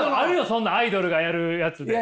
そんなアイドルがやるやつで！